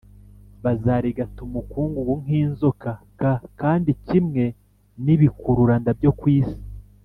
Bazarigata umukungugu nk inzoka k kandi kimwe n ibikururanda byo ku isi